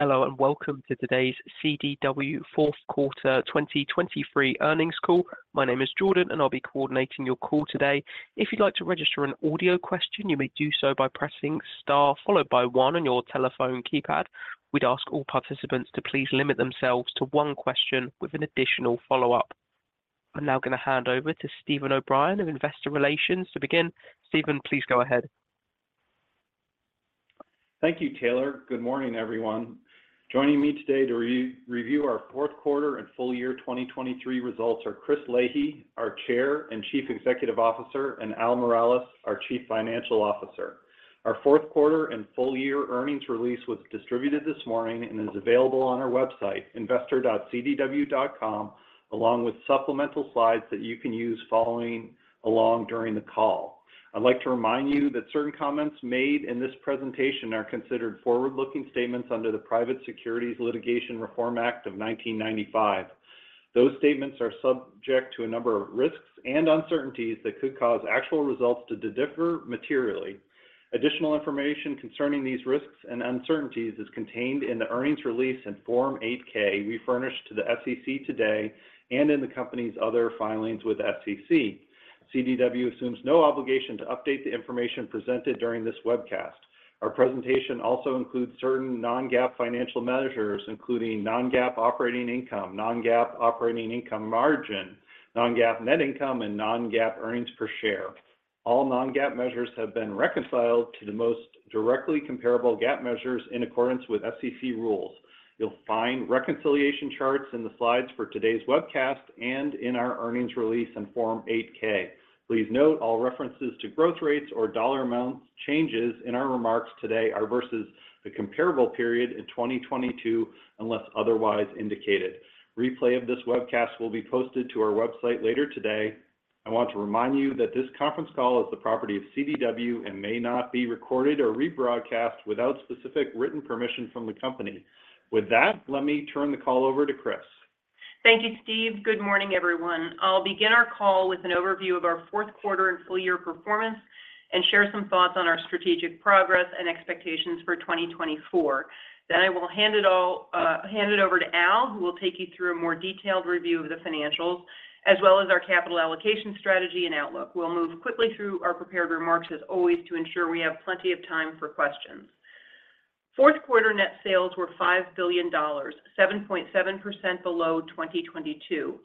Hello, and welcome to today's CDW fourth quarter 2023 earnings call. My name is Jordan, and I'll be coordinating your call today. If you'd like to register an audio question, you may do so by pressing star followed by one on your telephone keypad. We'd ask all participants to please limit themselves to one question with an additional follow-up. I'm now going to hand over to Steven O'Brien of Investor Relations to begin. Steven, please go ahead. Thank you, Taylor. Good morning, everyone. Joining me today to review our fourth quarter and full year 2023 results are Chris Leahy, our Chair and Chief Executive Officer, and Al Miralles, our Chief Financial Officer. Our fourth quarter and full year earnings release was distributed this morning and is available on our website, investor.cdw.com, along with supplemental slides that you can use following along during the call. I'd like to remind you that certain comments made in this presentation are considered forward-looking statements under the Private Securities Litigation Reform Act of 1995. Those statements are subject to a number of risks and uncertainties that could cause actual results to differ materially. Additional information concerning these risks and uncertainties is contained in the earnings release in Form 8-K we furnished to the SEC today, and in the company's other filings with the SEC. CDW assumes no obligation to update the information presented during this webcast. Our presentation also includes certain non-GAAP financial measures, including non-GAAP operating income, non-GAAP operating income margin, non-GAAP net income, and non-GAAP earnings per share. All non-GAAP measures have been reconciled to the most directly comparable GAAP measures in accordance with SEC rules. You'll find reconciliation charts in the slides for today's webcast and in our earnings release in Form 8-K. Please note, all references to growth rates or dollar amount changes in our remarks today are versus the comparable period in 2022, unless otherwise indicated. Replay of this webcast will be posted to our website later today. I want to remind you that this conference call is the property of CDW and may not be recorded or rebroadcast without specific written permission from the company. With that, let me turn the call over to Chris. Thank you, Steve. Good morning, everyone. I'll begin our call with an overview of our fourth quarter and full year performance, and share some thoughts on our strategic progress and expectations for 2024. Then I will hand it all, hand it over to Al, who will take you through a more detailed review of the financials, as well as our capital allocation strategy and outlook. We'll move quickly through our prepared remarks, as always, to ensure we have plenty of time for questions. Fourth quarter net sales were $5 billion, 7.7% below 2022.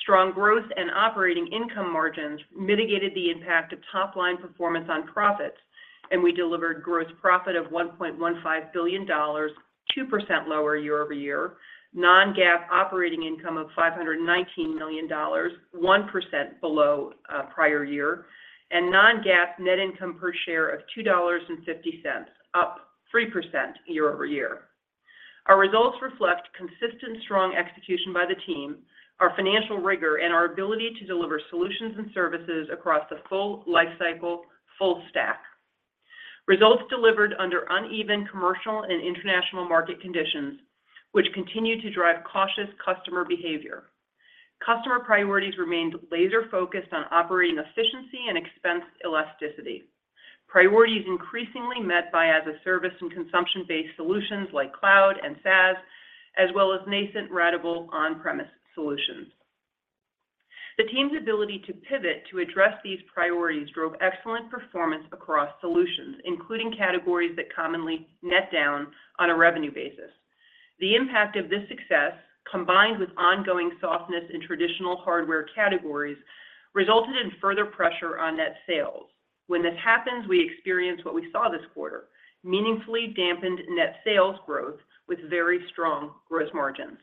Strong growth and operating income margins mitigated the impact of top-line performance on profits, and we delivered gross profit of $1.15 billion, 2% lower year-over-year, non-GAAP operating income of $519 million, 1% below prior year, and non-GAAP net income per share of $2.50, up 3% year-over-year. Our results reflect consistent, strong execution by the team, our financial rigor, and our ability to deliver solutions and services across the full life cycle, full stack. Results delivered under uneven commercial and international market conditions, which continue to drive cautious customer behavior. Customer priorities remained laser-focused on operating efficiency and expense elasticity. Priorities increasingly met by as-a-service and consumption-based solutions like Cloud and SaaS, as well as nascent ratable on-premise solutions. The team's ability to pivot to address these priorities drove excellent performance across solutions, including categories that commonly net down on a revenue basis. The impact of this success, combined with ongoing softness in traditional hardware categories, resulted in further pressure on net sales. When this happens, we experience what we saw this quarter, meaningfully dampened net sales growth with very strong gross margins.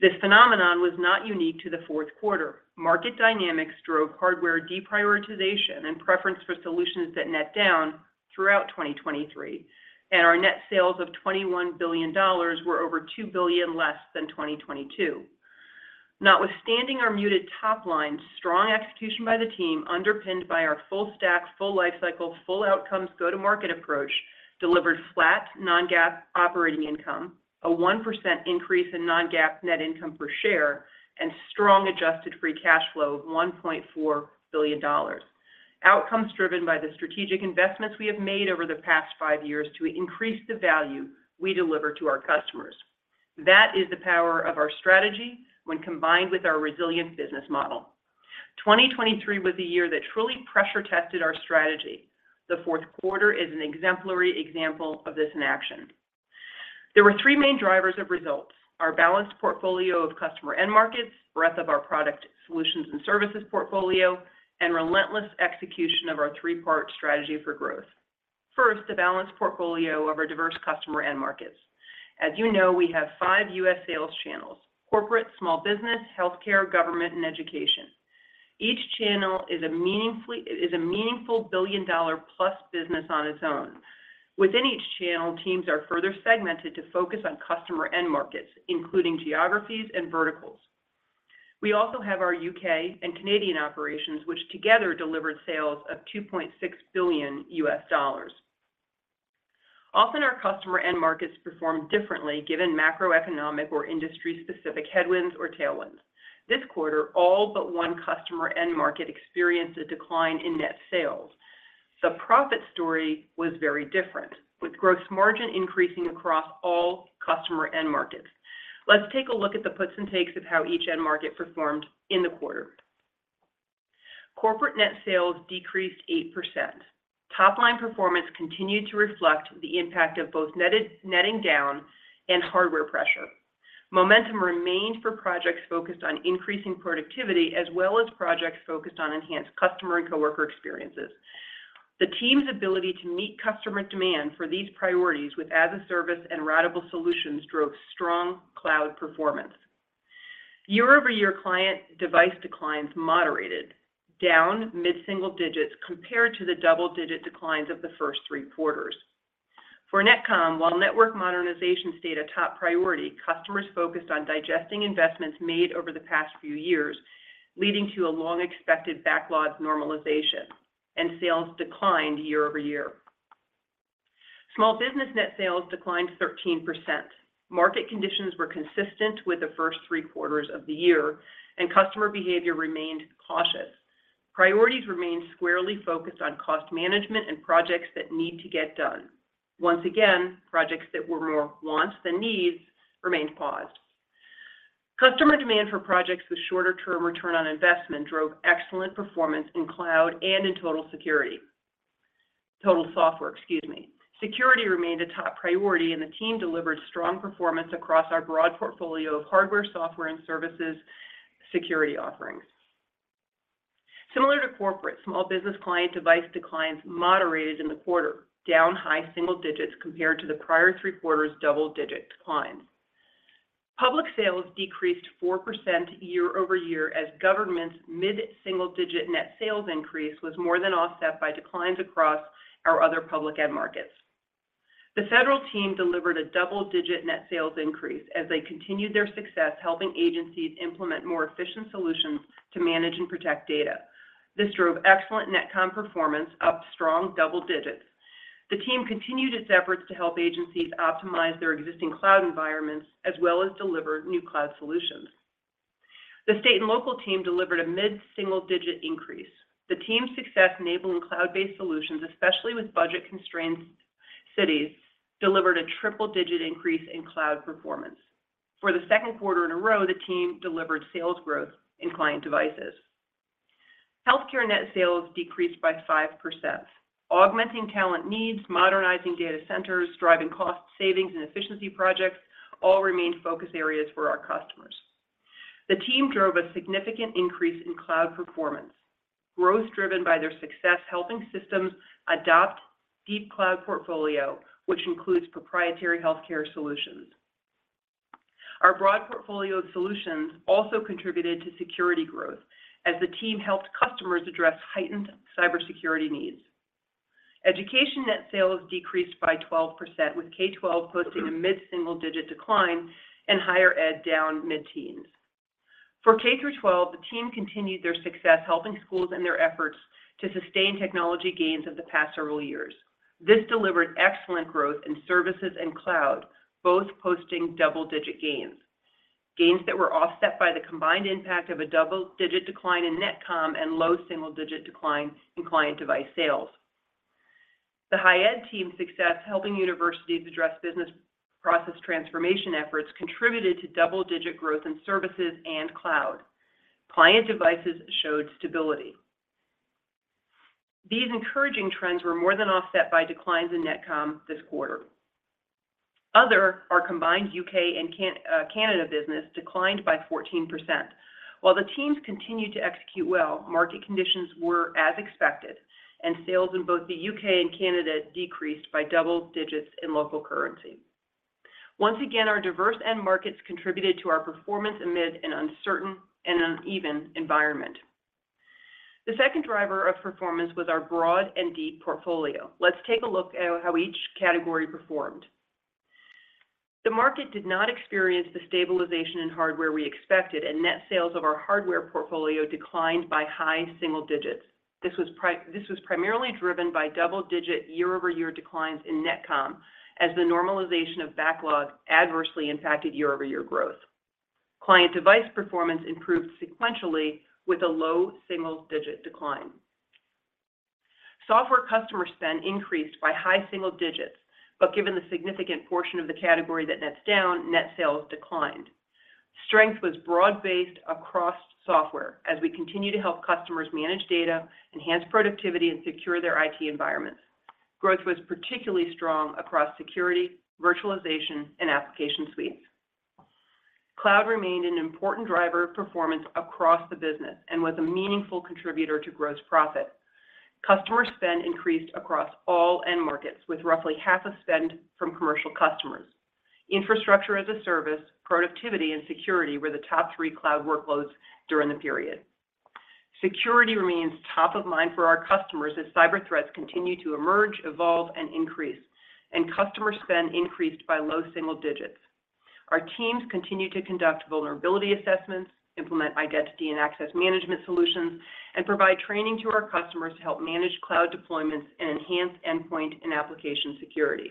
This phenomenon was not unique to the fourth quarter. Market dynamics drove hardware deprioritization and preference for solutions that net down throughout 2023, and our net sales of $21 billion were over $2 billion less than 2022. Notwithstanding our muted top line, strong execution by the team, underpinned by our full stack, full life cycle, full outcomes go-to-market approach, delivered flat non-GAAP operating income, a 1% increase in non-GAAP net income per share, and strong adjusted free cash flow of $1.4 billion. Outcomes driven by the strategic investments we have made over the past five years to increase the value we deliver to our customers. That is the power of our strategy when combined with our resilient business model. 2023 was the year that truly pressure-tested our strategy. The fourth quarter is an exemplary example of this in action. There were three main drivers of results: our balanced portfolio of customer end markets, breadth of our product solutions and services portfolio, and relentless execution of our three-part strategy for growth. First, the balanced portfolio of our diverse customer end markets. As you know, we have five U.S. sales channels: corporate, small business, healthcare, government, and education. Each channel is a meaningful billion-dollar-plus business on its own. Within each channel, teams are further segmented to focus on customer end markets, including geographies and verticals. We also have our U.K. and Canadian operations, which together delivered sales of $2.6 billion. Often, our customer end markets perform differently given macroeconomic or industry-specific headwinds or tailwinds. This quarter, all but one customer end market experienced a decline in net sales. The profit story was very different, with gross margin increasing across all customer end markets. Let's take a look at the puts and takes of how each end market performed in the quarter. Corporate net sales decreased 8%. Top-line performance continued to reflect the impact of both netting down and hardware pressure. Momentum remained for projects focused on increasing productivity, as well as projects focused on enhanced customer and coworker experiences. The team's ability to meet customer demand for these priorities with as-a-service and ratable solutions drove strong cloud performance. Year-over-year client device declines moderated, down mid-single digits compared to the double-digit declines of the first three quarters. For NetComm, while network modernization stayed a top priority, customers focused on digesting investments made over the past few years, leading to a long-expected backlogs normalization, and sales declined year-over-year. Small business net sales declined 13%. Market conditions were consistent with the first three quarters of the year, and customer behavior remained cautious. Priorities remained squarely focused on cost management and projects that need to get done. Once again, projects that were more wants than needs remained paused. Customer demand for projects with shorter-term return on investment drove excellent performance in cloud and in total security. Total software, excuse me. Security remained a top priority, and the team delivered strong performance across our broad portfolio of hardware, software, and services security offerings. Similar to corporate, small business client device declines moderated in the quarter, down high single digits compared to the prior three quarters' double-digit declines. Public sales decreased 4% year-over-year as government's mid-single-digit net sales increase was more than offset by declines across our other public end markets. The federal team delivered a double-digit net sales increase as they continued their success helping agencies implement more efficient solutions to manage and protect data. This drove excellent NetComm performance up strong double digits. The team continued its efforts to help agencies optimize their existing cloud environments, as well as deliver new cloud solutions. The state and local team delivered a mid-single-digit increase. The team's success enabling cloud-based solutions, especially with budget-constrained cities, delivered a triple-digit increase in cloud performance. For the second quarter in a row, the team delivered sales growth in client devices. Healthcare net sales decreased by 5%. Augmenting talent needs, modernizing data centers, driving cost savings and efficiency projects all remained focus areas for our customers. The team drove a significant increase in cloud performance, growth driven by their success helping systems adopt deep cloud portfolio, which includes proprietary healthcare solutions. Our broad portfolio of solutions also contributed to security growth as the team helped customers address heightened cybersecurity needs. Education net sales decreased by 12%, with K-12 posting a mid-single-digit decline and higher ed down mid-teens. For K-12, the team continued their success, helping schools in their efforts to sustain technology gains of the past several years. This delivered excellent growth in services and cloud, both posting double-digit gains, gains that were offset by the combined impact of a double-digit decline in NetComm and low-single-digit decline in client device sales. The higher ed team's success helping universities address business process transformation efforts contributed to double-digit growth in services and cloud. Client devices showed stability. These encouraging trends were more than offset by declines in NetComm this quarter. Other, our combined U.K. and Canada business, declined by 14%. While the teams continued to execute well, market conditions were as expected, and sales in both the U.K. and Canada decreased by double digits in local currency. Once again, our diverse end markets contributed to our performance amid an uncertain and uneven environment. The second driver of performance was our broad and deep portfolio. Let's take a look at how each category performed. The market did not experience the stabilization in hardware we expected, and net sales of our hardware portfolio declined by high single digits. This was primarily driven by double-digit year-over-year declines in NetComm, as the normalization of backlog adversely impacted year-over-year growth. Client device performance improved sequentially with a low-single-digit decline. Software customer spend increased by high single digits, but given the significant portion of the category that nets down, net sales declined. Strength was broad-based across software as we continue to help customers manage data, enhance productivity, and secure their IT environments. Growth was particularly strong across security, virtualization, and application suites. Cloud remained an important driver of performance across the business and was a meaningful contributor to gross profit. Customer spend increased across all end markets, with roughly half of spend from commercial customers. Infrastructure as a service, productivity, and security were the top three cloud workloads during the period. Security remains top of mind for our customers as cyber threats continue to emerge, evolve, and increase, and customer spend increased by low single digits. Our teams continue to conduct vulnerability assessments, implement identity and access management solutions, and provide training to our customers to help manage cloud deployments and enhance endpoint and application security.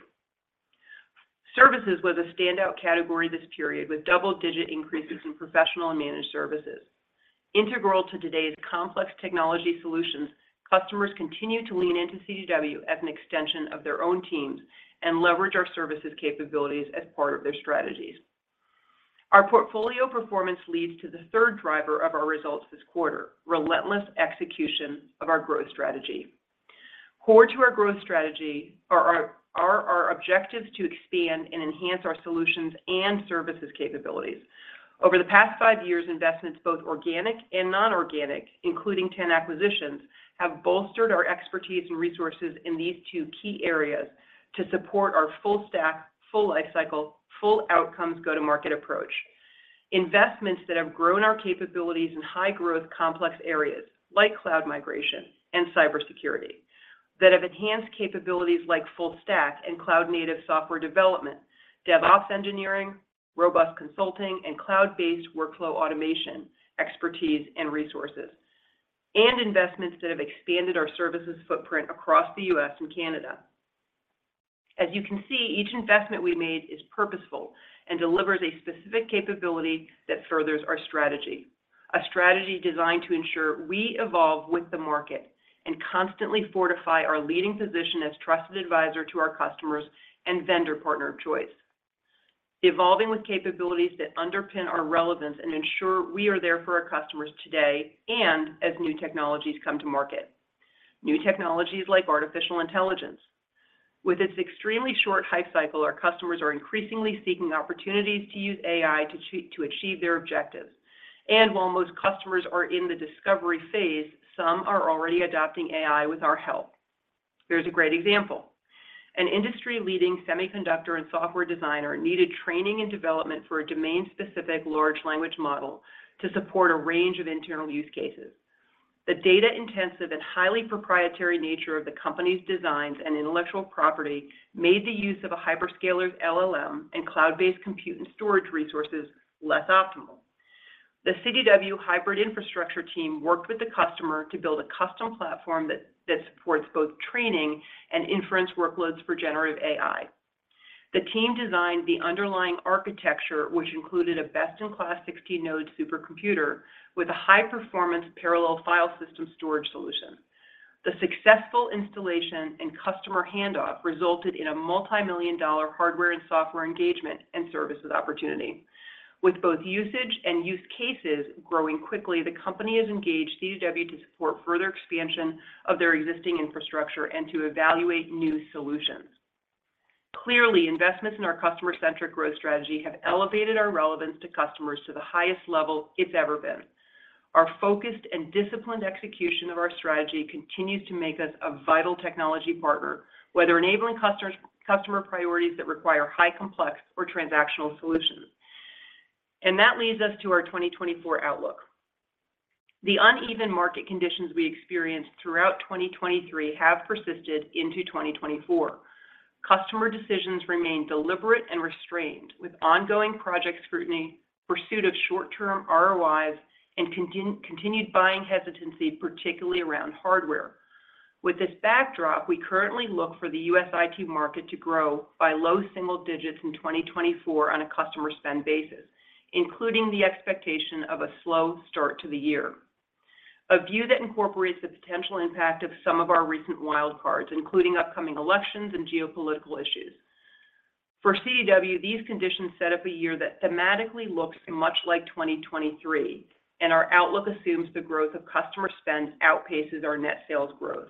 Services was a standout category this period, with double-digit increases in professional and managed services. Integral to today's complex technology solutions, customers continue to lean into CDW as an extension of their own teams, and leverage our services capabilities as part of their strategies. Our portfolio performance leads to the third driver of our results this quarter, relentless execution of our growth strategy. Core to our growth strategy are our objectives to expand and enhance our solutions and services capabilities. Over the past five years, investments, both organic and non-organic, including 10 acquisitions, have bolstered our expertise and resources in these two key areas to support our full stack, full lifecycle, full outcomes go-to-market approach. Investments that have grown our capabilities in high-growth, complex areas like cloud migration and cybersecurity, that have enhanced capabilities like full stack and cloud-native software development, DevOps engineering, robust consulting, and cloud-based workflow automation, expertise and resources, and investments that have expanded our services footprint across the U.S. and Canada. As you can see, each investment we made is purposeful and delivers a specific capability that furthers our strategy. A strategy designed to ensure we evolve with the market and constantly fortify our leading position as trusted advisor to our customers and vendor partner of choice. Evolving with capabilities that underpin our relevance and ensure we are there for our customers today and as new technologies come to market. New technologies like artificial intelligence. With its extremely short hype cycle, our customers are increasingly seeking opportunities to use AI to achieve their objectives. And while most customers are in the discovery phase, some are already adopting AI with our help. Here's a great example: An industry-leading semiconductor and software designer needed training and development for a domain-specific large language model to support a range of internal use cases. The data-intensive and highly proprietary nature of the company's designs and intellectual property made the use of a hyperscaler's LLM and cloud-based compute and storage resources less optimal. The CDW hybrid infrastructure team worked with the customer to build a custom platform that supports both training and inference workloads for generative AI. The team designed the underlying architecture, which included a best-in-class 16-node supercomputer, with a high-performance parallel file system storage solution. The successful installation and customer handoff resulted in a multimillion-dollar hardware and software engagement and services opportunity. With both usage and use cases growing quickly, the company has engaged CDW to support further expansion of their existing infrastructure and to evaluate new solutions. Clearly, investments in our customer-centric growth strategy have elevated our relevance to customers to the highest level it's ever been. Our focused and disciplined execution of our strategy continues to make us a vital technology partner, whether enabling customers - customer priorities that require high, complex, or transactional solutions. That leads us to our 2024 outlook. The uneven market conditions we experienced throughout 2023 have persisted into 2024. Customer decisions remain deliberate and restrained, with ongoing project scrutiny, pursuit of short-term ROIs, and continued buying hesitancy, particularly around hardware. With this backdrop, we currently look for the U.S. IT market to grow by low single digits in 2024 on a customer spend basis, including the expectation of a slow start to the year. A view that incorporates the potential impact of some of our recent wild cards, including upcoming elections and geopolitical issues. For CDW, these conditions set up a year that thematically looks much like 2023, and our outlook assumes the growth of customer spend outpaces our net sales growth.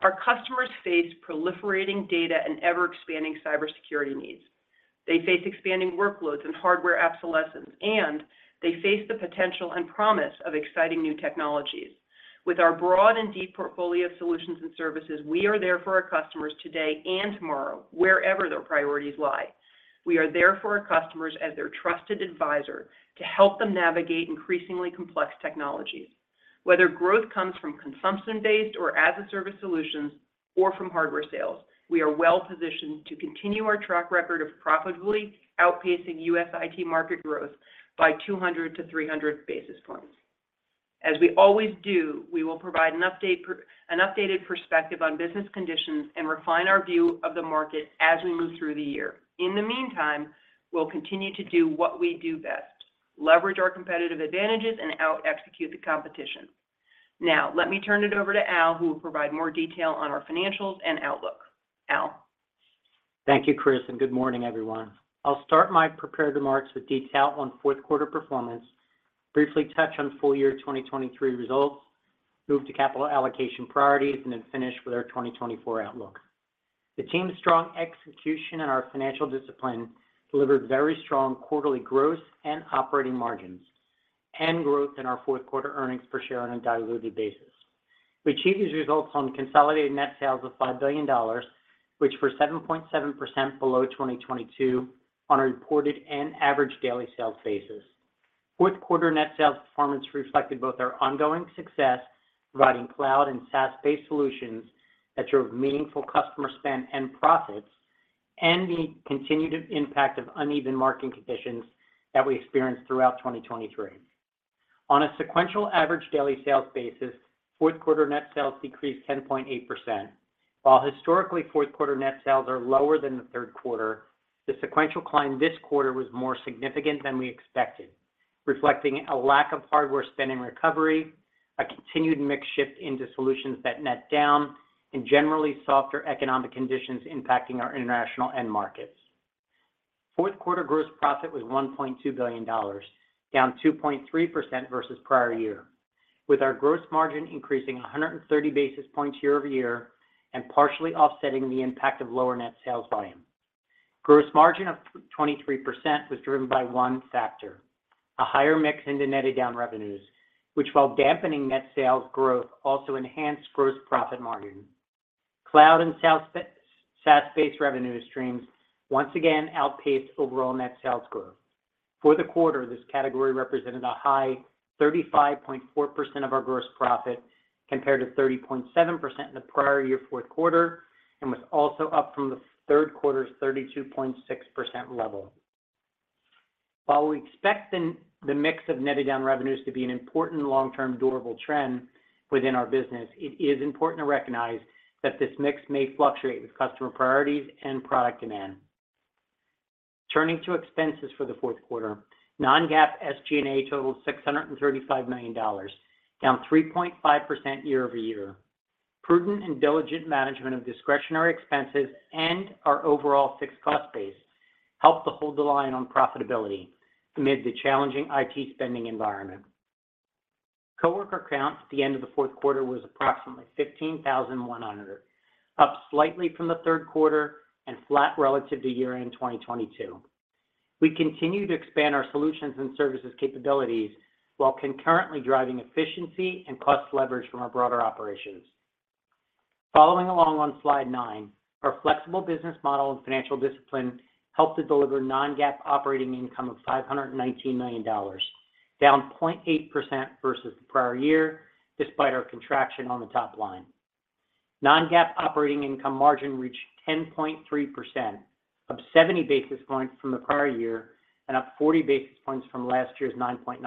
Our customers face proliferating data and ever-expanding cybersecurity needs. They face expanding workloads and hardware obsolescence, and they face the potential and promise of exciting new technologies. With our broad and deep portfolio of solutions and services, we are there for our customers today and tomorrow, wherever their priorities lie. We are there for our customers as their trusted advisor to help them navigate increasingly complex technologies. Whether growth comes from consumption-based or as-a-service solutions or from hardware sales, we are well positioned to continue our track record of profitably outpacing U.S. IT market growth by 200-300 basis points. As we always do, we will provide an updated perspective on business conditions and refine our view of the market as we move through the year. In the meantime, we'll continue to do what we do best, leverage our competitive advantages and out execute the competition. Now, let me turn it over to Al, who will provide more detail on our financials and outlook. Al? Thank you, Chris, and good morning, everyone. I'll start my prepared remarks with detail on fourth quarter performance, briefly touch on full year 2023 results, move to capital allocation priorities, and then finish with our 2024 outlook. The team's strong execution and our financial discipline delivered very strong quarterly growth and operating margins, and growth in our fourth quarter earnings per share on a diluted basis. We achieved these results on consolidated net sales of $5 billion, which were 7.7% below 2022 on a reported and average daily sales basis. Fourth quarter net sales performance reflected both our ongoing success providing cloud and SaaS-based solutions that drove meaningful customer spend and profits, and the continued impact of uneven market conditions that we experienced throughout 2023....On a sequential average daily sales basis, fourth quarter net sales decreased 10.8%. While historically, fourth quarter net sales are lower than the third quarter, the sequential decline this quarter was more significant than we expected, reflecting a lack of hardware spending recovery, a continued mix shift into solutions that net down, and generally softer economic conditions impacting our international end markets. Fourth quarter gross profit was $1.2 billion, down 2.3% versus prior year, with our gross margin increasing 130 basis points year-over-year, and partially offsetting the impact of lower net sales volume. Gross margin of 23% was driven by one factor, a higher mix into netted down revenues, which, while dampening net sales growth, also enhanced gross profit margin. Cloud and SaaS-based revenue streams once again outpaced overall net sales growth. For the quarter, this category represented a high 35.4% of our gross profit, compared to 30.7% in the prior year fourth quarter, and was also up from the third quarter's 32.6% level. While we expect the mix of netted down revenues to be an important long-term durable trend within our business, it is important to recognize that this mix may fluctuate with customer priorities and product demand. Turning to expenses for the fourth quarter, non-GAAP SG&A totaled $635 million, down 3.5% year-over-year. Prudent and diligent management of discretionary expenses and our overall fixed cost base, helped to hold the line on profitability amid the challenging IT spending environment. Coworker count at the end of the fourth quarter was approximately 15,100, up slightly from the third quarter and flat relative to year-end in 2022. We continue to expand our solutions and services capabilities while concurrently driving efficiency and cost leverage from our broader operations. Following along on slide nine, our flexible business model and financial discipline helped to deliver non-GAAP operating income of $519 million, down 0.8% versus the prior year, despite our contraction on the top line. Non-GAAP operating income margin reached 10.3%, up 70 basis points from the prior year, and up 40 basis points from last year's 9.9%.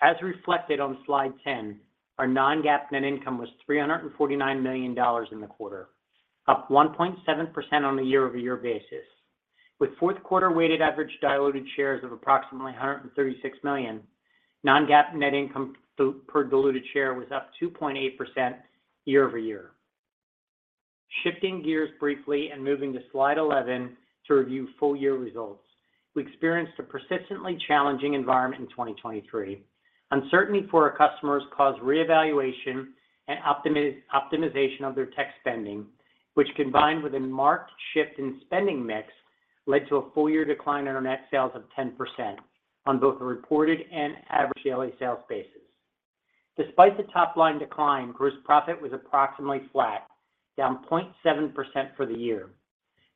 As reflected on slide 10, our non-GAAP net income was $349 million in the quarter, up 1.7% on a year-over-year basis, with fourth quarter weighted average diluted shares of approximately 136 million. Non-GAAP net income per diluted share was up 2.8% year-over-year. Shifting gears briefly and moving to slide 11 to review full year results. We experienced a persistently challenging environment in 2023. Uncertainty for our customers caused reevaluation and optimization of their tech spending, which, combined with a marked shift in spending mix, led to a full year decline in our net sales of 10% on both a reported and average daily sales basis. Despite the top-line decline, gross profit was approximately flat, down 0.7% for the year.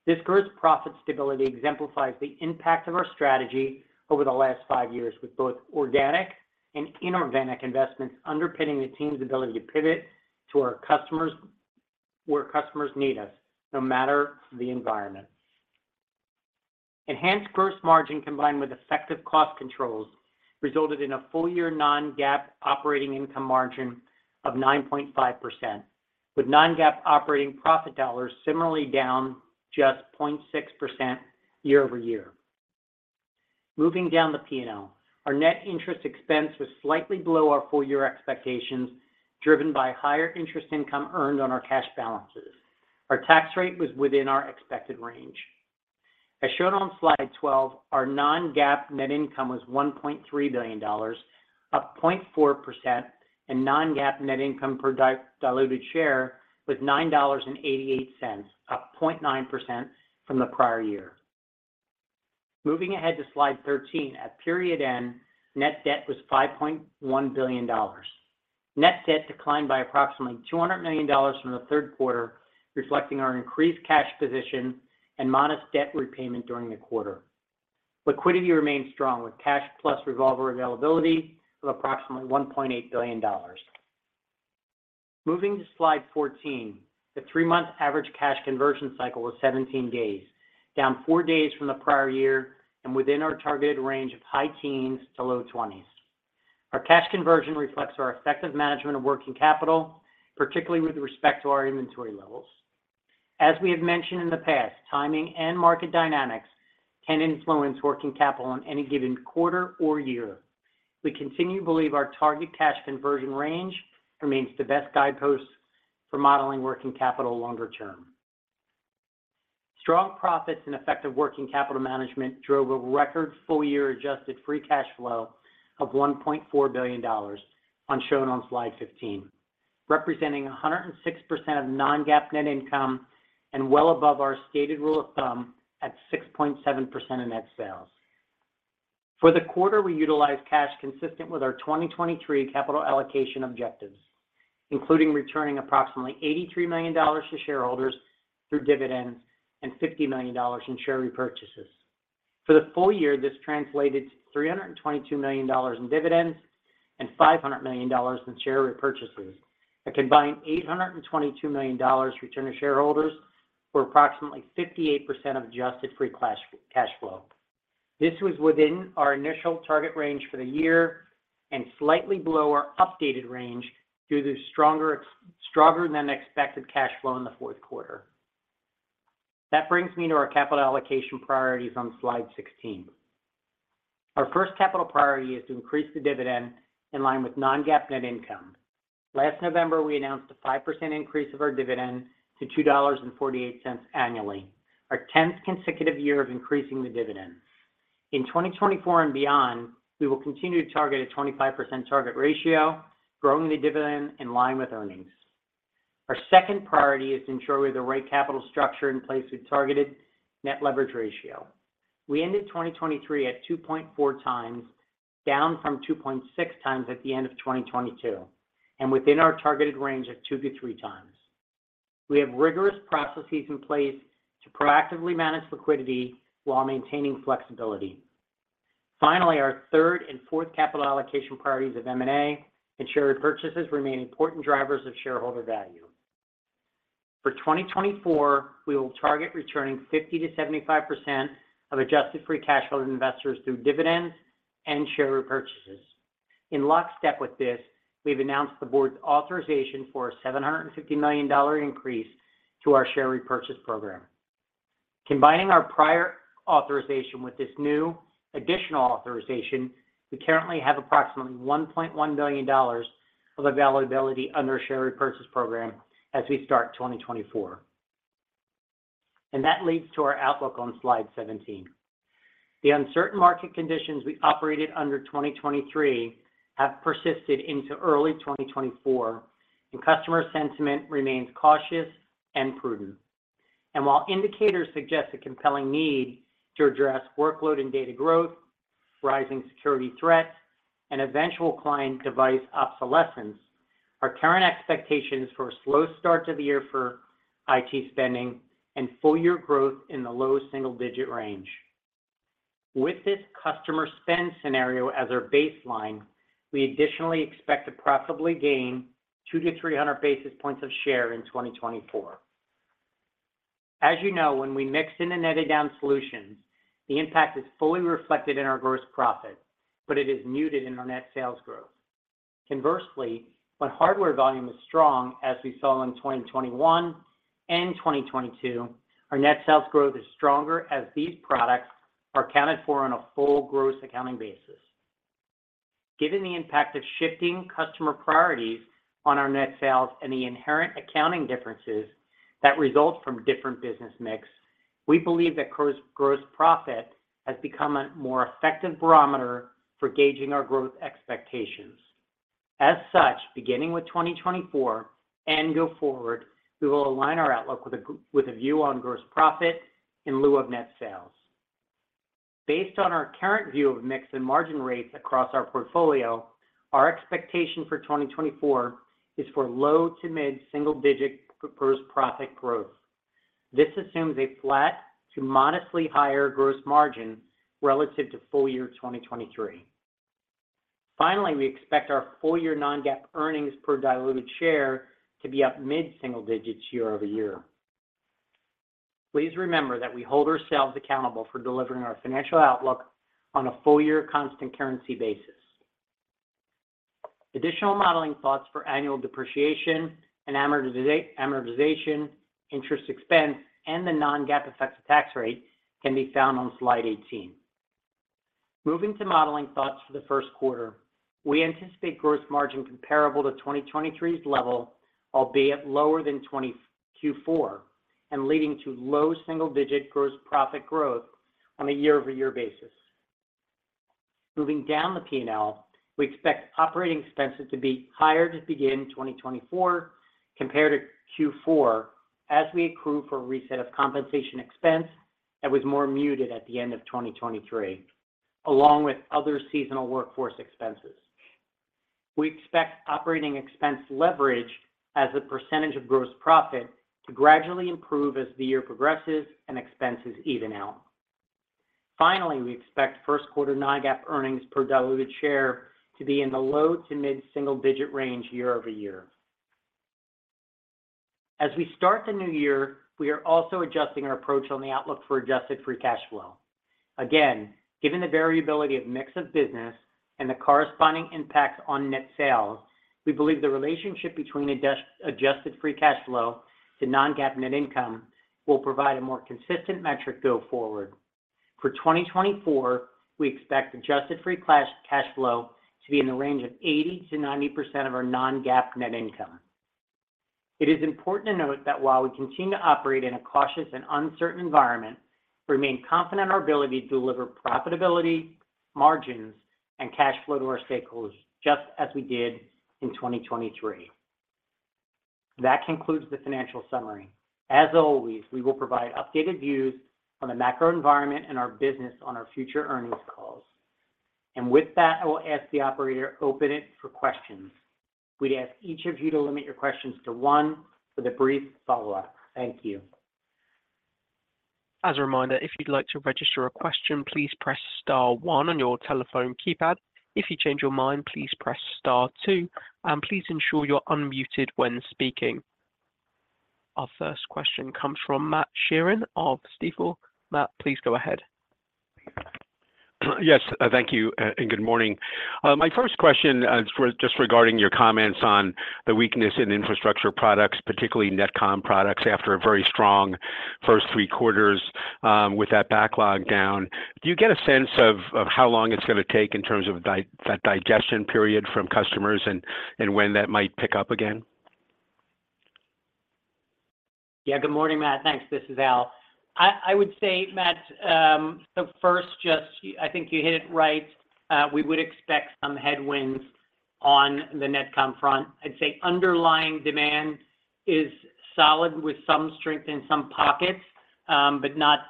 This gross profit stability exemplifies the impact of our strategy over the last five years, with both organic and inorganic investments underpinning the team's ability to pivot to our customers, where customers need us, no matter the environment. Enhanced gross margin, combined with effective cost controls, resulted in a full-year non-GAAP operating income margin of 9.5%, with non-GAAP operating profit dollars similarly down just 0.6% year-over-year. Moving down the P&L, our net interest expense was slightly below our full-year expectations, driven by higher interest income earned on our cash balances. Our tax rate was within our expected range. As shown on Slide 12, our non-GAAP net income was $1.3 billion, up 0.4%, and non-GAAP net income per diluted share was $9.88, up 0.9% from the prior year. Moving ahead to Slide 13. At period end, net debt was $5.1 billion. Net debt declined by approximately $200 million from the third quarter, reflecting our increased cash position and modest debt repayment during the quarter. Liquidity remains strong, with cash plus revolver availability of approximately $1.8 billion. Moving to Slide 14, the three-month average cash conversion cycle was 17 days, down four days from the prior year, and within our targeted range of high teens to low twenties. Our cash conversion reflects our effective management of working capital, particularly with respect to our inventory levels. As we have mentioned in the past, timing and market dynamics can influence working capital on any given quarter or year. We continue to believe our target cash conversion range remains the best guidepost for modeling working capital longer term. Strong profits and effective working capital management drove a record full-year adjusted free cash flow of $1.4 billion as shown on Slide 15, representing 106% of non-GAAP net income and well above our stated rule of thumb at 6.7% of net sales. For the quarter, we utilized cash consistent with our 2023 capital allocation objectives, including returning approximately $83 million to shareholders through dividends and $50 million in share repurchases. For the full year, this translated to $322 million in dividends and $500 million in share repurchases. A combined $822 million return to shareholders, or approximately 58% of adjusted free cash flow. This was within our initial target range for the year and slightly below our updated range, due to stronger-than-expected cash flow in the fourth quarter. That brings me to our capital allocation priorities on slide 16. Our first capital priority is to increase the dividend in line with non-GAAP net income. Last November, we announced a 5% increase of our dividend to $2.48 annually, our 10th consecutive year of increasing the dividend. In 2024 and beyond, we will continue to target a 25% target ratio, growing the dividend in line with earnings. Our second priority is to ensure we have the right capital structure in place with targeted net leverage ratio. We ended 2023 at 2.4x, down from 2.6x at the end of 2022, and within our targeted range of 2x-3x. We have rigorous processes in place to proactively manage liquidity while maintaining flexibility. Finally, our third and fourth capital allocation priorities of M&A and share repurchases remain important drivers of shareholder value. For 2024, we will target returning 50%-75% of adjusted free cash flow to investors through dividends and share repurchases. In lockstep with this, we've announced the board's authorization for a $750 million increase to our share repurchase program. Combining our prior authorization with this new additional authorization, we currently have approximately $1.1 billion of availability under our share repurchase program as we start 2024. That leads to our outlook on Slide 17. The uncertain market conditions we operated under 2023 have persisted into early 2024, and customer sentiment remains cautious and prudent. While indicators suggest a compelling need to address workload and data growth, rising security threats, and eventual client device obsolescence, our current expectation is for a slow start to the year for IT spending and full year growth in the low-single-digit range. With this customer spend scenario as our baseline, we additionally expect to profitably gain 200-300 basis points of share in 2024. As you know, when we mix in and netted down solutions, the impact is fully reflected in our gross profit, but it is muted in our net sales growth. Conversely, when hardware volume is strong, as we saw in 2021 and 2022, our net sales growth is stronger as these products are accounted for on a full gross accounting basis. Given the impact of shifting customer priorities on our net sales and the inherent accounting differences that result from different business mix, we believe that gross profit has become a more effective barometer for gauging our growth expectations. As such, beginning with 2024 and go forward, we will align our outlook with a view on gross profit in lieu of net sales. Based on our current view of mix and margin rates across our portfolio, our expectation for 2024 is for low- to mid-single-digit gross profit growth. This assumes a flat to modestly higher gross margin relative to full year 2023. Finally, we expect our full year non-GAAP earnings per diluted share to be up mid-single digits year-over-year. Please remember that we hold ourselves accountable for delivering our financial outlook on a full year constant currency basis. Additional modeling thoughts for annual depreciation and amortization, interest expense, and the non-GAAP effective tax rate can be found on Slide 18. Moving to modeling thoughts for the first quarter, we anticipate gross margin comparable to 2023's level, albeit lower than 2023 Q4, and leading to low-single-digit gross profit growth on a year-over-year basis. Moving down the P&L, we expect operating expenses to be higher to begin 2024 compared to Q4, as we accrue for a reset of compensation expense that was more muted at the end of 2023, along with other seasonal workforce expenses. We expect operating expense leverage as a percentage of gross profit to gradually improve as the year progresses and expenses even out. Finally, we expect first quarter non-GAAP earnings per diluted share to be in the low- to mid-single-digit range year-over-year. As we start the new year, we are also adjusting our approach on the outlook for adjusted free cash flow. Again, given the variability of mix of business and the corresponding impacts on net sales, we believe the relationship between adjusted free cash flow to non-GAAP net income will provide a more consistent metric go forward. For 2024, we expect adjusted free cash flow to be in the range of 80%-90% of our non-GAAP net income. It is important to note that while we continue to operate in a cautious and uncertain environment, we remain confident in our ability to deliver profitability, margins, and cash flow to our stakeholders, just as we did in 2023. That concludes the financial summary. As always, we will provide updated views on the macro environment and our business on our future earnings calls. With that, I will ask the operator to open it for questions. We'd ask each of you to limit your questions to one with a brief follow-up. Thank you.... As a reminder, if you'd like to register a question, please press star one on your telephone keypad. If you change your mind, please press star two, and please ensure you're unmuted when speaking. Our first question comes from Matt Sheerin of Stifel. Matt, please go ahead. Yes, thank you, and good morning. My first question is for just regarding your comments on the weakness in infrastructure products, particularly NetComm products, after a very strong first three quarters, with that backlog down. Do you get a sense of how long it's gonna take in terms of that digestion period from customers and, and when that might pick up again? Yeah, good morning, Matt. Thanks. This is Al. I would say, Matt, so first just, I think you hit it right. We would expect some headwinds on the NetComm front. I'd say underlying demand is solid, with some strength in some pockets, but not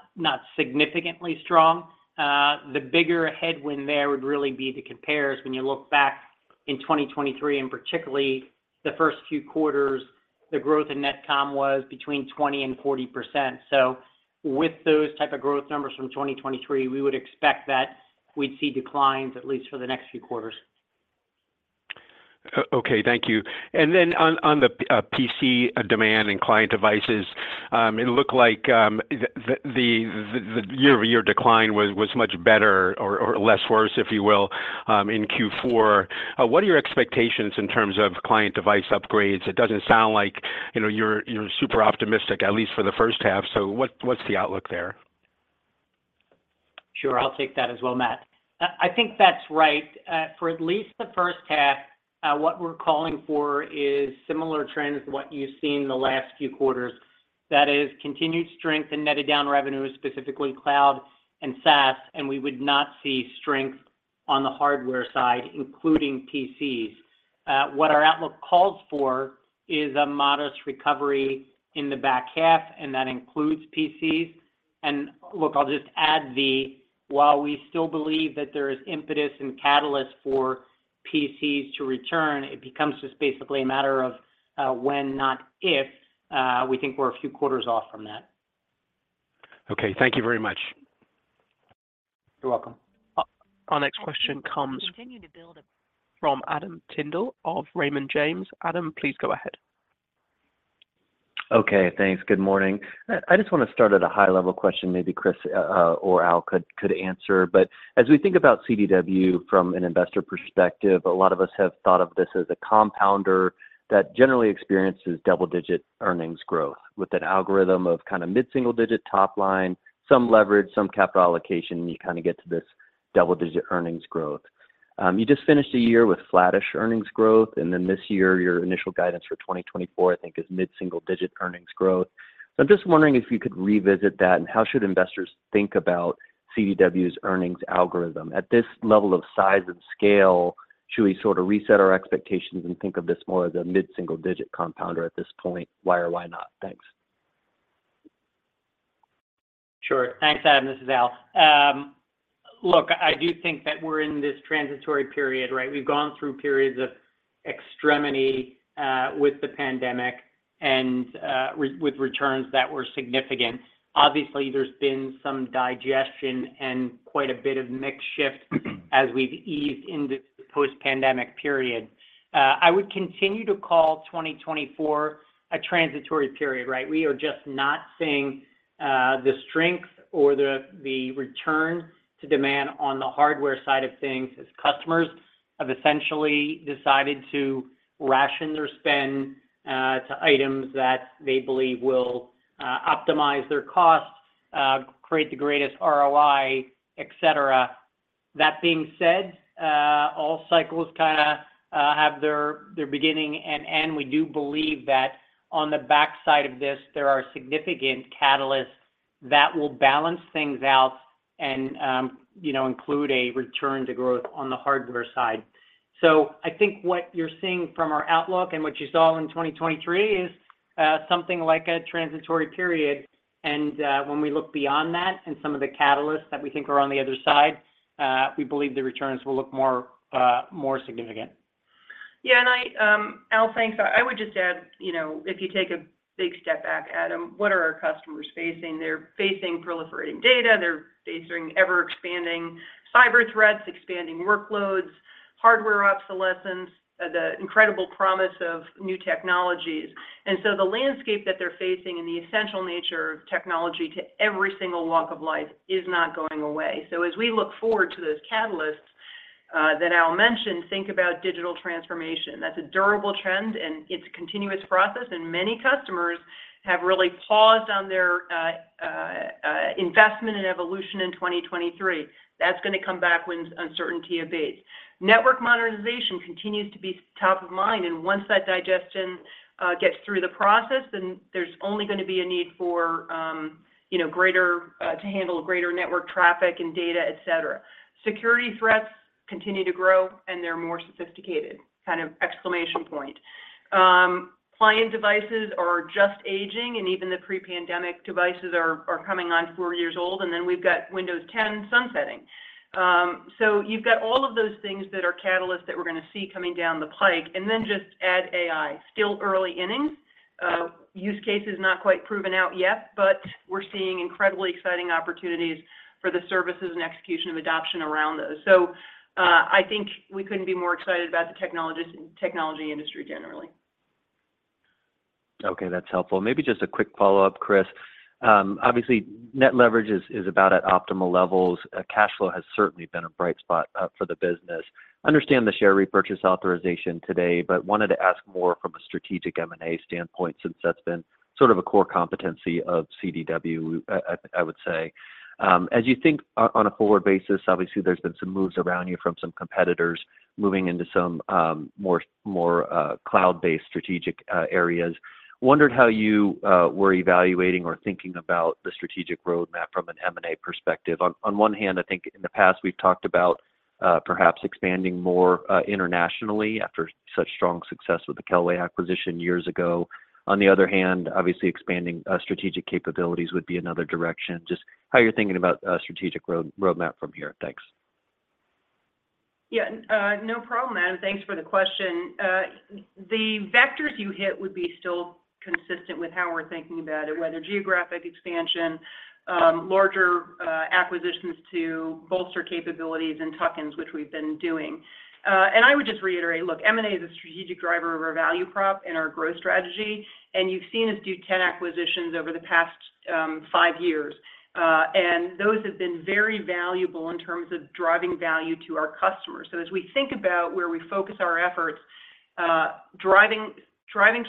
significantly strong. The bigger headwind there would really be the compares when you look back in 2023, and particularly the first few quarters, the growth in NetComm was between 20% and 40%. So with those type of growth numbers from 2023, we would expect that we'd see declines, at least for the next few quarters. Okay, thank you. And then on the PC demand and client devices, it looked like the year-over-year decline was much better or less worse, if you will, in Q4. What are your expectations in terms of client device upgrades? It doesn't sound like, you know, you're super optimistic, at least for the first half. So what's the outlook there? Sure, I'll take that as well, Matt. I think that's right. For at least the first half, what we're calling for is similar trends to what you've seen in the last few quarters. That is, continued strength in netted down revenue, specifically cloud and SaaS, and we would not see strength on the hardware side, including PCs. What our outlook calls for is a modest recovery in the back half, and that includes PCs. And look, I'll just add, while we still believe that there is impetus and catalyst for PCs to return, it becomes just basically a matter of when, not if. We think we're a few quarters off from that. Okay, thank you very much. You're welcome. Our next question comes. Continue to build a- From Adam Tindle of Raymond James. Adam, please go ahead. Okay, thanks. Good morning. I just want to start at a high-level question, maybe Chris or Al could answer. But as we think about CDW from an investor perspective, a lot of us have thought of this as a compounder that generally experiences double-digit earnings growth, with an algorithm of mid-single-digit top line, some leverage, some capital allocation, you get to this double-digit earnings growth. You just finished the year with flattish earnings growth, and then this year, your initial guidance for 2024, I think, is mid-single-digit earnings growth. So I'm just wondering if you could revisit that, and how should investors think about CDW's earnings algorithm? At this level of size and scale, should we sort of reset our expectations and think of this more as a mid-single-digit compounder at this point? Why or why not? Thanks. Sure. Thanks, Adam. This is Al. Look, I do think that we're in this transitory period, right? We've gone through periods of extremity with the pandemic and with returns that were significant. Obviously, there's been some digestion and quite a bit of mix shift as we've eased into the post-pandemic period. I would continue to call 2024 a transitory period, right? We are just not seeing the strength or the return to demand on the hardware side of things, as customers have essentially decided to ration their spend to items that they believe will optimize their costs, create the greatest ROI, et cetera. That being said, all cycles kinda have their beginning and end. We do believe that on the backside of this, there are significant catalysts that will balance things out and, you know, include a return to growth on the hardware side. So I think what you're seeing from our outlook, and what you saw in 2023, is something like a transitory period. And when we look beyond that and some of the catalysts that we think are on the other side, we believe the returns will look more, more significant. Yeah, and I, Al, thanks. I would just add, you know, if you take a big step back, Adam, what are our customers facing? They're facing proliferating data, they're facing ever-expanding cyber threats, expanding workloads, hardware obsolescence, the incredible promise of new technologies. And so the landscape that they're facing and the essential nature of technology to every single walk of life is not going away. So as we look forward to those catalysts that Al mentioned, think about digital transformation. That's a durable trend, and it's a continuous process, and many customers have really paused on their investment and evolution in 2023. That's gonna come back when uncertainty abates. Network modernization continues to be top of mind, and once that digestion gets through the process, then there's only gonna be a need for, you know, greater to handle greater network traffic and data, et cetera. Security threats continue to grow, and they're more sophisticated, kind of exclamation point. Client devices are just aging, and even the pre-pandemic devices are coming on four years old, and then we've got Windows 10 sunsetting. So you've got all of those things that are catalysts that we're gonna see coming down the pike, and then just add AI. Still early innings, use case is not quite proven out yet, but we're seeing incredibly exciting opportunities for the services and execution of adoption around those. So, I think we couldn't be more excited about the technologies and technology industry generally. Okay, that's helpful. Maybe just a quick follow-up, Chris. Obviously, net leverage is about at optimal levels. Cash flow has certainly been a bright spot for the business. Understand the share repurchase authorization today, but wanted to ask more from a strategic M&A standpoint, since that's been sort of a core competency of CDW, I would say. As you think on a forward basis, obviously, there's been some moves around you from some competitors moving into some more cloud-based strategic areas. Wondered how you were evaluating or thinking about the strategic roadmap from an M&A perspective. On one hand, I think in the past, we've talked about perhaps expanding more internationally, after such strong success with the Kelway acquisition years ago. On the other hand, obviously, expanding strategic capabilities would be another direction. Just how you're thinking about strategic roadmap from here? Thanks. Yeah, no problem, Adam. Thanks for the question. The vectors you hit would be still consistent with how we're thinking about it, whether geographic expansion, larger acquisitions to bolster capabilities, and tuck-ins, which we've been doing. And I would just reiterate, look, M&A is a strategic driver of our value prop and our growth strategy, and you've seen us do 10 acquisitions over the past five years. And those have been very valuable in terms of driving value to our customers. So as we think about where we focus our efforts, driving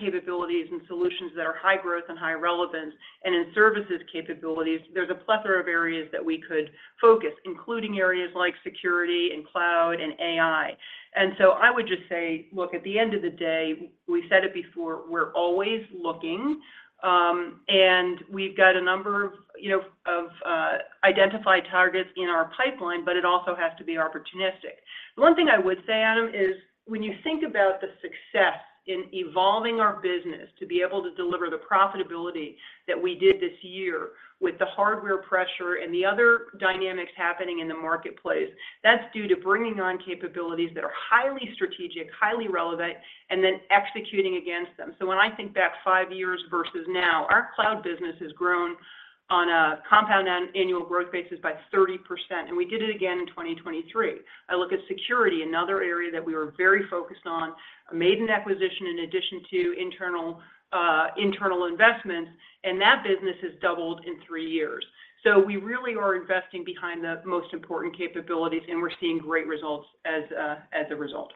capabilities and solutions that are high growth and high relevance, and in services capabilities, there's a plethora of areas that we could focus, including areas like security and cloud and AI. I would just say, look, at the end of the day, we said it before, we're always looking. And we've got a number of, you know, identified targets in our pipeline, but it also has to be opportunistic. One thing I would say, Adam, is when you think about the success in evolving our business to be able to deliver the profitability that we did this year with the hardware pressure and the other dynamics happening in the marketplace, that's due to bringing on capabilities that are highly strategic, highly relevant, and then executing against them. So when I think back five years versus now, our cloud business has grown on a compound annual growth basis by 30%, and we did it again in 2023. I look at security, another area that we were very focused on, made an acquisition in addition to internal investments, and that business has doubled in three years. So we really are investing behind the most important capabilities, and we're seeing great results as a result.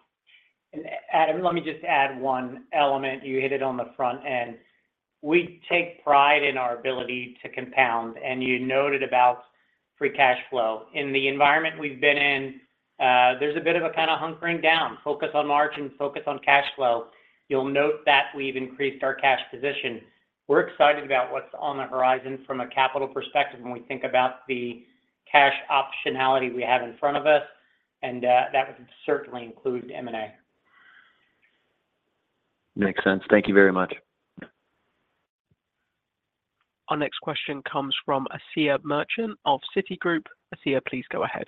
Adam, let me just add one element. You hit it on the front end. We take pride in our ability to compound, and you noted about free cash flow. In the environment we've been in, there's a bit of a kind of hunkering down, focus on margin, focus on cash flow. You'll note that we've increased our cash position. We're excited about what's on the horizon from a capital perspective when we think about the cash optionality we have in front of us, and that would certainly include M&A. Makes sense. Thank you very much. Our next question comes from Asiya Merchant of Citigroup. Asiya, please go ahead.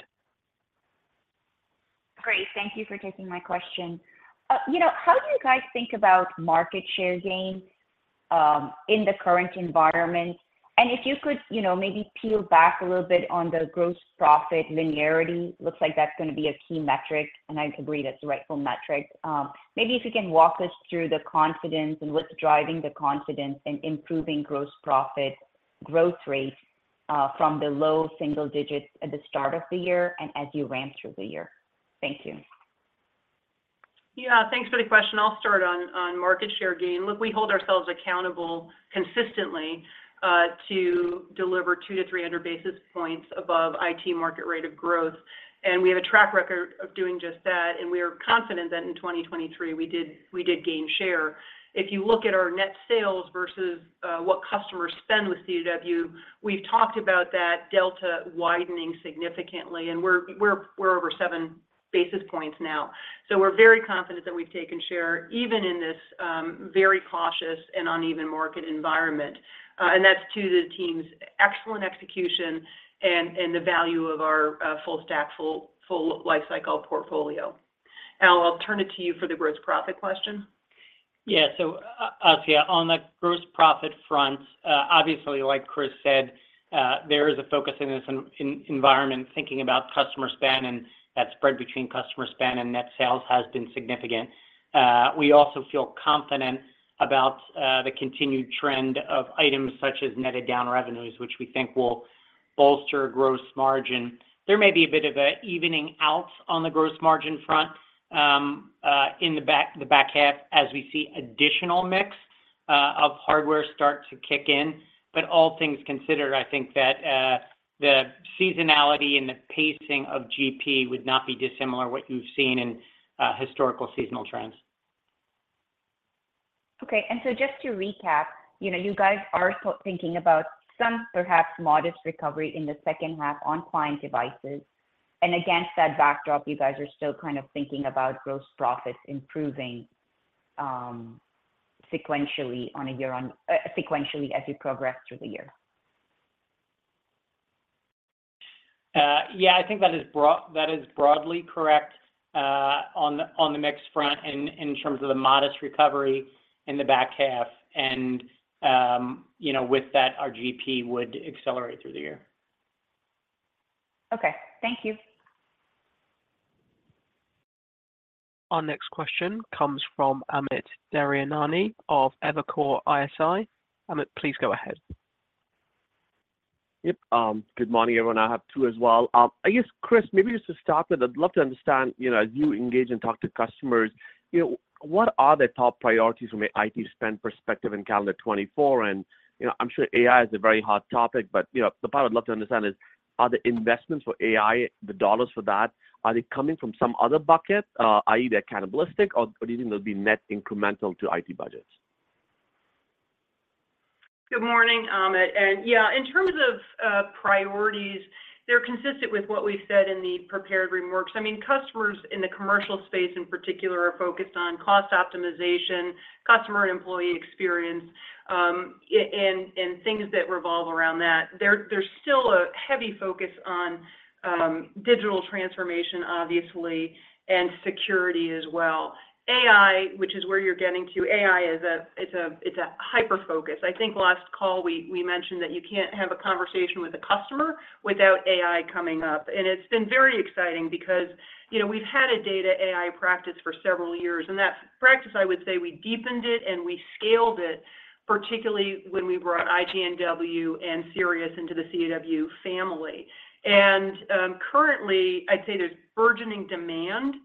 Great. Thank you for taking my question. You know, how do you guys think about market share gain in the current environment? And if you could, you know, maybe peel back a little bit on the gross profit linearity. Looks like that's gonna be a key metric, and I agree that's the rightful metric. Maybe if you can walk us through the confidence and what's driving the confidence in improving gross profit growth rate from the low single digits at the start of the year and as you ramp through the year. Thank you. Yeah, thanks for the question. I'll start on market share gain. Look, we hold ourselves accountable consistently to deliver 200-300 basis points above IT market rate of growth, and we have a track record of doing just that, and we are confident that in 2023, we did gain share. If you look at our net sales versus what customers spend with CDW, we've talked about that delta widening significantly, and we're over 7 basis points now. So we're very confident that we've taken share, even in this very cautious and uneven market environment. And that's to the team's excellent execution and the value of our full stack, full life cycle portfolio. Al, I'll turn it to you for the gross profit question. Yeah. So Asiya, on the gross profit front, obviously, like Chris said, there is a focus in this environment, thinking about customer spend, and that spread between customer spend and net sales has been significant. We also feel confident about the continued trend of items such as netted down revenues, which we think will bolster gross margin. There may be a bit of a evening out on the gross margin front, in the back half, as we see additional mix of hardware start to kick in. But all things considered, I think that the seasonality and the pacing of GP would not be dissimilar to what you've seen in historical seasonal trends. Okay, and so just to recap, you know, you guys are still thinking about some perhaps modest recovery in the second half on client devices. Against that backdrop, you guys are still kind of thinking about gross profits improving.... sequentially on a year on, sequentially as we progress through the year? Yeah, I think that is broad, that is broadly correct, on the, on the mix front in, in terms of the modest recovery in the back half. And, you know, with that, our GP would accelerate through the year. Okay. Thank you. Our next question comes from Amit Daryanani of Evercore ISI. Amit, please go ahead. Yep, good morning, everyone. I have two as well. I guess, Chris, maybe just to start with, I'd love to understand, you know, as you engage and talk to customers, you know, what are the top priorities from an IT spend perspective in calendar 2024? And, you know, I'm sure AI is a very hot topic, but, you know, the part I'd love to understand is, are the investments for AI, the dollars for that, are they coming from some other bucket, either cannibalistic, or, or do you think they'll be net incremental to IT budgets? Good morning, Amit. Yeah, in terms of priorities, they're consistent with what we said in the prepared remarks. I mean, customers in the commercial space, in particular, are focused on cost optimization, customer and employee experience, and things that revolve around that. There's still a heavy focus on digital transformation, obviously, and security as well. AI, which is where you're getting to, AI is a hyperfocus. I think last call, we mentioned that you can't have a conversation with a customer without AI coming up. And it's been very exciting because, you know, we've had a data AI practice for several years, and that practice, I would say, we deepened it, and we scaled it, particularly when we brought IGNW and Sirius into the CDW family. Currently, I'd say there's burgeoning demand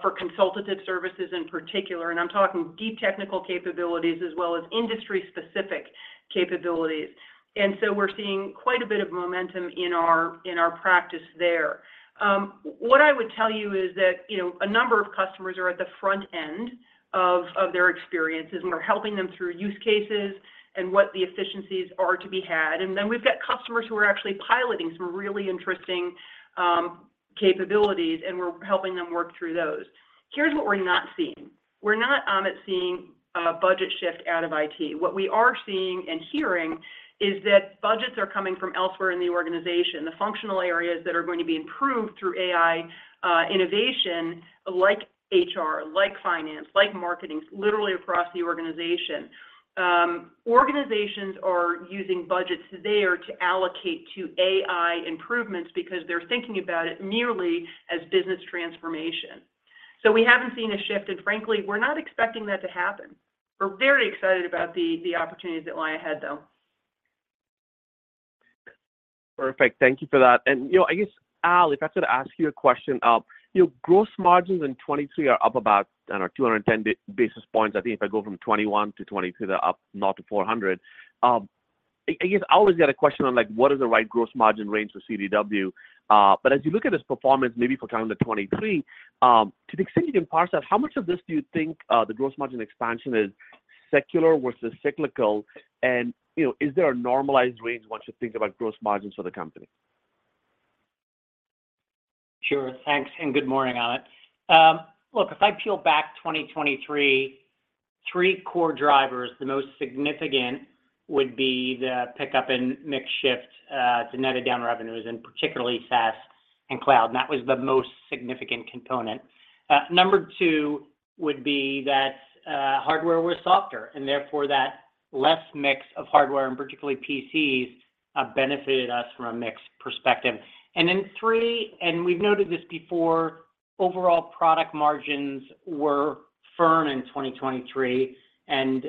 for consultative services in particular, and I'm talking deep technical capabilities as well as industry-specific capabilities. And so we're seeing quite a bit of momentum in our practice there. What I would tell you is that, you know, a number of customers are at the front end of their experiences, and we're helping them through use cases and what the efficiencies are to be had. And then we've got customers who are actually piloting some really interesting capabilities, and we're helping them work through those. Here's what we're not seeing. We're not, Amit, seeing a budget shift out of IT. What we are seeing and hearing is that budgets are coming from elsewhere in the organization, the functional areas that are going to be improved through AI innovation, like HR, like finance, like marketing, literally across the organization. Organizations are using budgets there to allocate to AI improvements because they're thinking about it merely as business transformation. So we haven't seen a shift, and frankly, we're not expecting that to happen. We're very excited about the opportunities that lie ahead, though. Perfect. Thank you for that. You know, I guess, Al, if I could ask you a question. Your gross margins in 2023 are up about, I don't know, 210 basis points. I think if I go from 2021 to 2022, they're up north of 400. I guess I always get a question on, like, what is the right gross margin range for CDW? But as you look at this performance, maybe for calendar 2023, to the extent you can parse out, how much of this do you think the gross margin expansion is secular versus cyclical? And, you know, is there a normalized range once you think about gross margins for the company? Sure. Thanks, and good morning, Amit. Look, if I peel back 2023, three core drivers, the most significant would be the pickup in mix shift to netted down revenues, and particularly SaaS and cloud, and that was the most significant component. Number two would be that hardware was softer, and therefore, that less mix of hardware, and particularly PCs, benefited us from a mix perspective. Then three, and we've noted this before, overall product margins were firm in 2023, and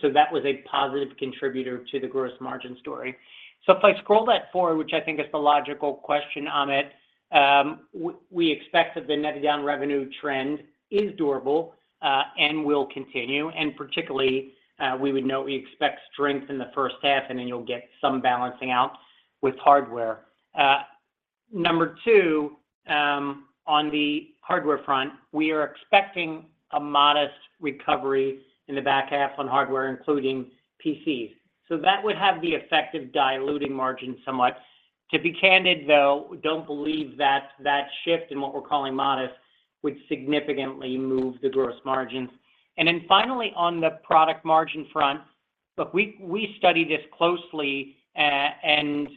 so that was a positive contributor to the gross margin story. So if I scroll that forward, which I think is the logical question, Amit, we expect that the netted down revenue trend is durable, and will continue, and particularly, we expect strength in the first half, and then you'll get some balancing out with hardware. Number two, on the hardware front, we are expecting a modest recovery in the back half on hardware, including PCs. So that would have the effect of diluting margins somewhat. To be candid, though, we don't believe that that shift in what we're calling modest, would significantly move the gross margins. And then finally, on the product margin front, look, we study this closely, and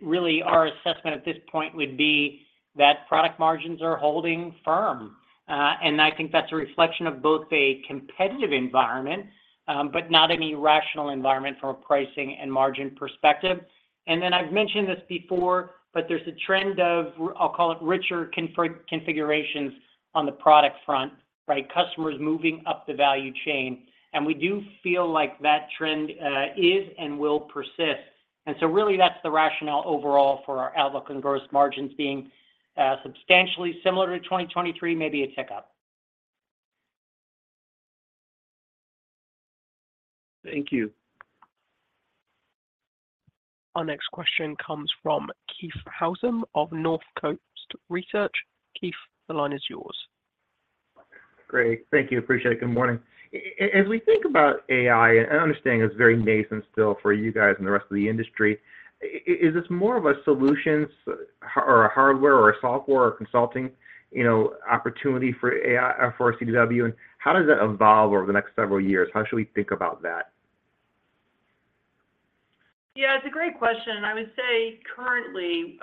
really our assessment at this point would be that product margins are holding firm. And I think that's a reflection of both a competitive environment, but not any rational environment from a pricing and margin perspective. And then I've mentioned this before, but there's a trend of, I'll call it, richer configurations on the product front, right? Customers moving up the value chain, and we do feel like that trend is and will persist. And so really, that's the rationale overall for our outlook and gross margins being substantially similar to 2023, maybe a tick up. Thank you. Our next question comes from Keith Housum of Northcoast Research. Keith, the line is yours. Great. Thank you. Appreciate it. Good morning. As we think about AI, and I understand it's very nascent still for you guys and the rest of the industry, is this more of a solutions, or a hardware, or a software, or consulting, you know, opportunity for AI, for CDW? And how does that evolve over the next several years? How should we think about that?... Yeah, it's a great question, and I would say currently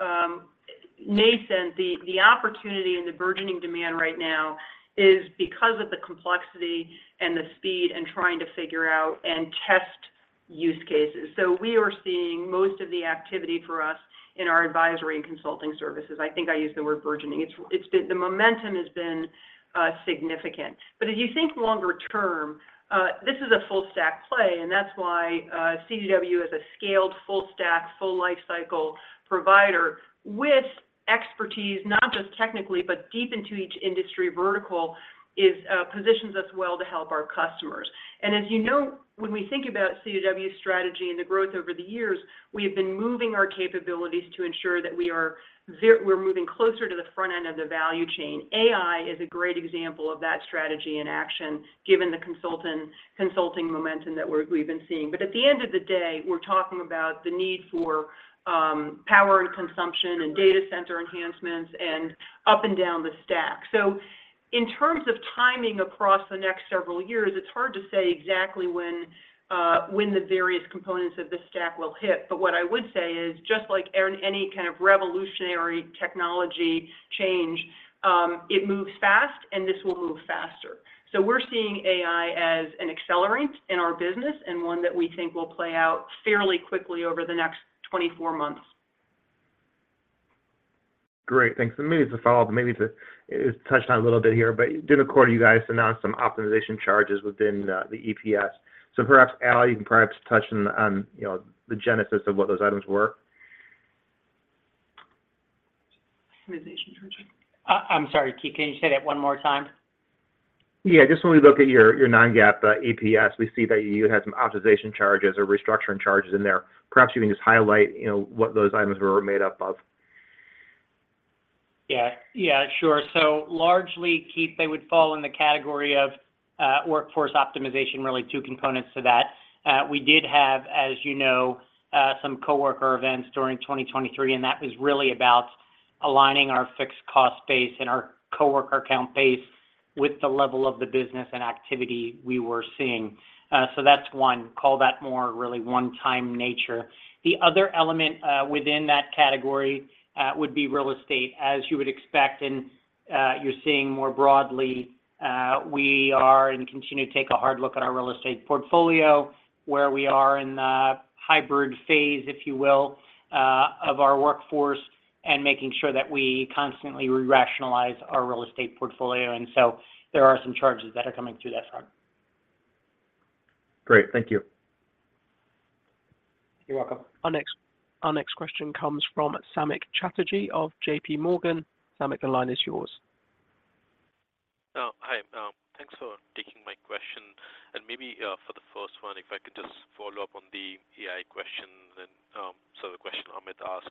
nascent, the opportunity and the burgeoning demand right now is because of the complexity and the speed, and trying to figure out and test use cases. So we are seeing most of the activity for us in our advisory and consulting services. I think I used the word burgeoning. It's been the momentum has been significant. But as you think longer term, this is a full stack play, and that's why CDW as a scaled full stack, full life cycle provider with expertise, not just technically, but deep into each industry vertical, positions us well to help our customers. As you know, when we think about CDW's strategy and the growth over the years, we have been moving our capabilities to ensure that we're moving closer to the front end of the value chain. AI is a great example of that strategy in action, given the consulting momentum that we've been seeing. But at the end of the day, we're talking about the need for power and consumption, and data center enhancements, and up and down the stack. So in terms of timing across the next several years, it's hard to say exactly when the various components of this stack will hit. But what I would say is, just like in any kind of revolutionary technology change, it moves fast, and this will move faster. So we're seeing AI as an accelerant in our business, and one that we think will play out fairly quickly over the next 24 months. Great, thanks. And maybe it's a follow-up, and maybe it's, is touched on a little bit here, but Q2, you guys announced some optimization charges within the EPS. So perhaps, Al, you can perhaps touch on, on, you know, the genesis of what those items were? Optimization charges. I'm sorry, Keith, can you say that one more time? Yeah, just when we look at your, your Non-GAAP EPS, we see that you had some optimization charges or restructuring charges in there. Perhaps you can just highlight, you know, what those items were made up of. Yeah. Yeah, sure. So largely, Keith, they would fall in the category of workforce optimization, really two components to that. We did have, as you know, some coworker events during 2023, and that was really about aligning our fixed cost base and our coworker count base with the level of the business and activity we were seeing. So that's one. Call that more really one-time nature. The other element within that category would be real estate, as you would expect, and you're seeing more broadly, we are and continue to take a hard look at our real estate portfolio, where we are in the hybrid phase, if you will, of our workforce, and making sure that we constantly rationalize our real estate portfolio. And so there are some charges that are coming through that front. Great, thank you. You're welcome. Our next question comes from Samik Chatterjee of JPMorgan. Samik, the line is yours. Hi, thanks for taking my question. And maybe, for the first one, if I could just follow up on the AI question, then, so the question Amit asked.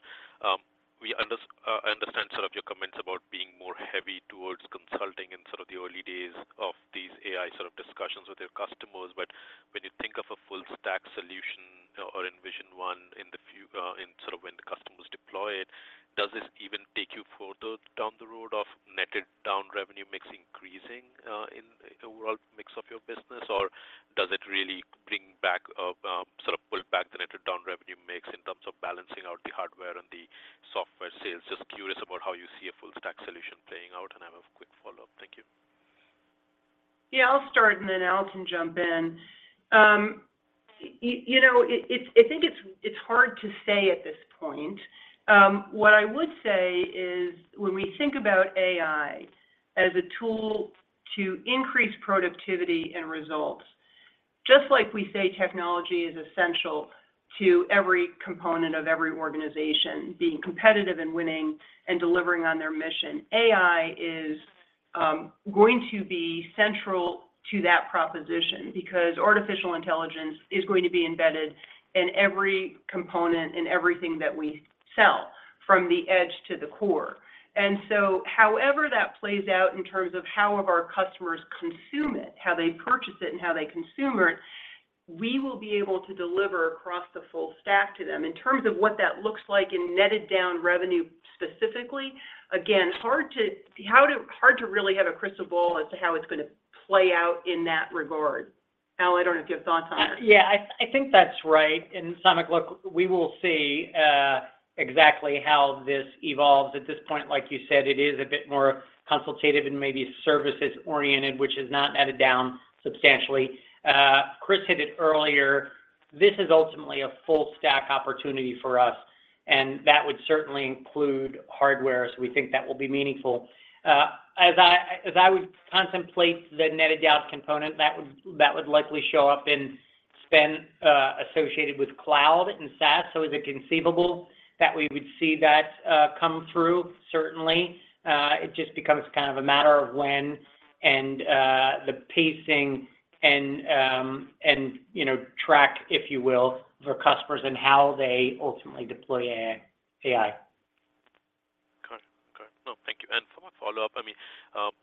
We understand sort of your comments about being more heavy towards consulting in sort of the early days of these AI sort of discussions with your customers. But when you think of a full stack solution or envision one in, in sort of when the customers deploy it, does this even take you further down the road of netted down revenue mix increasing, in the overall mix of your business? Or does it really bring back, sort of pull back the netted down revenue mix in terms of balancing out the hardware and the software sales? Just curious about how you see a full stack solution playing out, and I have a quick follow-up. Thank you. Yeah, I'll start and then Al can jump in. You know, I think it's hard to say at this point. What I would say is, when we think about AI as a tool to increase productivity and results, just like we say technology is essential to every component of every organization being competitive and winning and delivering on their mission, AI is going to be central to that proposition because artificial intelligence is going to be embedded in every component, in everything that we sell, from the edge to the core. And so however that plays out in terms of how will our customers consume it, how they purchase it, and how they consume it, we will be able to deliver across the full stack to them. In terms of what that looks like in netted down revenue, specifically, again, hard to really have a crystal ball as to how it's gonna play out in that regard. Al, I don't know if you have thoughts on it. Yeah, I think that's right. Samik, look, we will see exactly how this evolves. At this point, like you said, it is a bit more consultative and maybe services oriented, which is not netted down substantially. Chris hit it earlier, this is ultimately a full stack opportunity for us, and that would certainly include hardware, so we think that will be meaningful. As I would contemplate the netted down component, that would likely show up in spend associated with cloud and SaaS. So is it conceivable that we would see that come through? Certainly. It just becomes kind of a matter of when and the pacing and you know, track, if you will, for customers and how they ultimately deploy AI. Got it. Got it. No, thank you. And for my follow-up, I mean,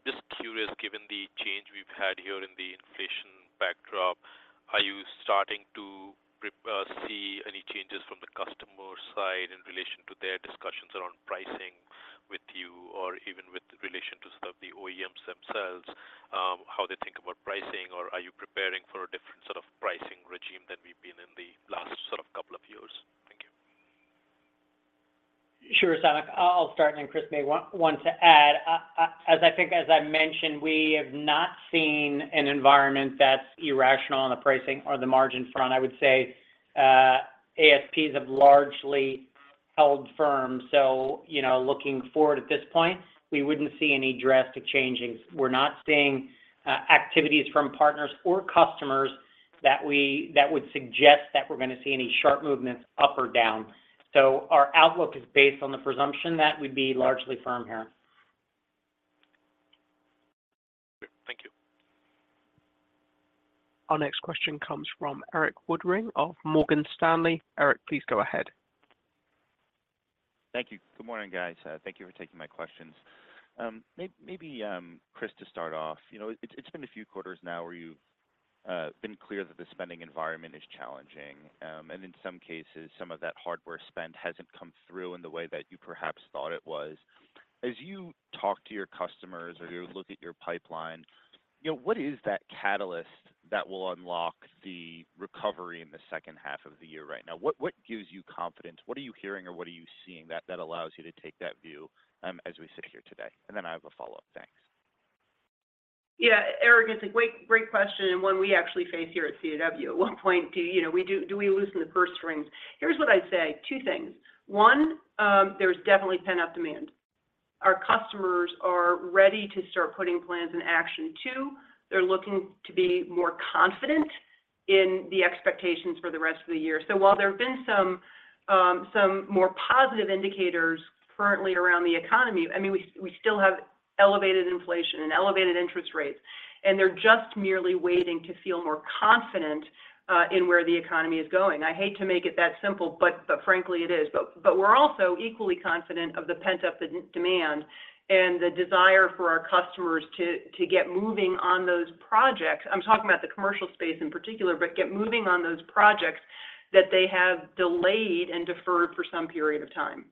just curious, given the change we've had here in the inflation backdrop, are you starting to see any changes from the customer side in relation to their discussions around pricing? Or even with relation to sort of the OEMs themselves, how they think about pricing, or are you preparing for a different sort of pricing regime than we've been in the last sort of couple of years? Thank you. Sure, Samik. I'll start, and then Chris may want to add. As I think as I mentioned, we have not seen an environment that's irrational on the pricing or the margin front. I would say, ASPs have largely held firm. So, you know, looking forward at this point, we wouldn't see any drastic changing. We're not seeing activities from partners or customers that would suggest that we're gonna see any sharp movements up or down. So our outlook is based on the presumption that we'd be largely firm here. Thank you. Our next question comes from Erik Woodring of Morgan Stanley. Erik, please go ahead. Thank you. Good morning, guys. Thank you for taking my questions. Maybe, Chris, to start off, you know, it's, it's been a few quarters now where you've been clear that the spending environment is challenging. And in some cases, some of that hardware spend hasn't come through in the way that you perhaps thought it was. As you talk to your customers or you look at your pipeline, you know, what is that catalyst that will unlock the recovery in the second half of the year right now? What, what gives you confidence? What are you hearing or what are you seeing that, that allows you to take that view, as we sit here today? And then I have a follow-up. Thanks. Yeah, Erik, it's a great, great question, and one we actually face here at CDW. At what point do, you know, we do we loosen the purse strings? Here's what I'd say, two things. One, there's definitely pent-up demand. Our customers are ready to start putting plans in action. Two, they're looking to be more confident in the expectations for the rest of the year. So while there have been some, some more positive indicators currently around the economy, I mean, we, we still have elevated inflation and elevated interest rates, and they're just merely waiting to feel more confident in where the economy is going. I hate to make it that simple, but, but frankly, it is. But, but we're also equally confident of the pent-up demand and the desire for our customers to, to get moving on those projects. I'm talking about the commercial space in particular, but get moving on those projects that they have delayed and deferred for some period of time.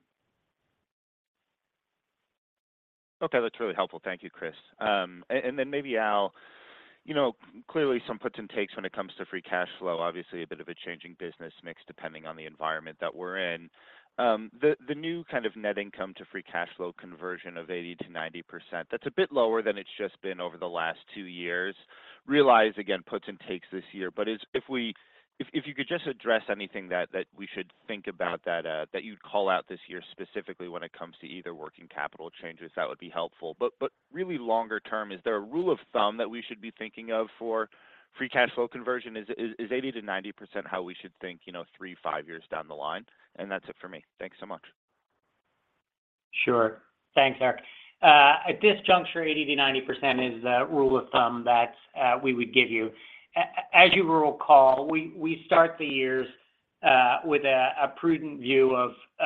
Okay, that's really helpful. Thank you, Chris. And then maybe, Al, you know, clearly some puts and takes when it comes to free cash flow. Obviously, a bit of a changing business mix, depending on the environment that we're in. The new kind of net income to free cash flow conversion of 80%-90%, that's a bit lower than it's just been over the last two years. Realize, again, puts and takes this year. But if you could just address anything that we should think about that you'd call out this year, specifically when it comes to either working capital changes, that would be helpful. But really longer term, is there a rule of thumb that we should be thinking of for free cash flow conversion? Is 80%-90% how we should think, you know, 3-5 years down the line? And that's it for me. Thanks so much. Sure. Thanks, Erik. At this juncture, 80%-90% is the rule of thumb that we would give you. As you will recall, we start the years with a prudent view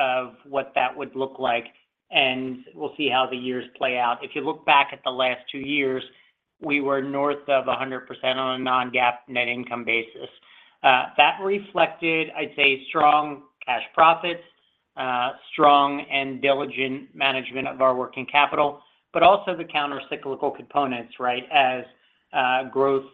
of what that would look like, and we'll see how the years play out. If you look back at the last two years, we were north of 100% on a non-GAAP net income basis. That reflected, I'd say, strong cash profits, strong and diligent management of our working capital, but also the countercyclical components, right? As growth